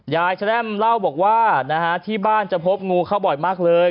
แร่มเล่าบอกว่าที่บ้านจะพบงูเข้าบ่อยมากเลย